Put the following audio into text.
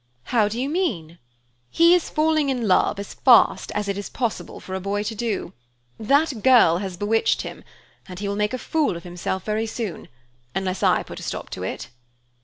"How do you mean?" "He is falling in love as fast as it is possible for a boy to do it. That girl has bewitched him, and he will make a fool of himself very soon, unless I put a stop to it."